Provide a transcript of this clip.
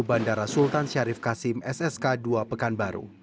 bandara sultan syarif kasim ssk dua pekanbaru